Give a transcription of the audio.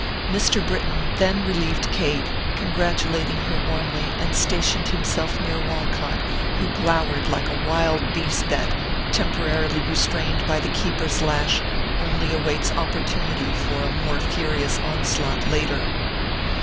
Mr. Britton then relieved Kate, congratulating her warmly, and stationed himself near Walcott, who glowered like a wild beast that, temporarily restrained by the keeper's lash, only awaits opportunity for a more furious onslaught later.